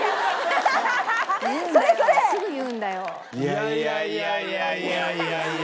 いやいやいやいやいやいやいやいや。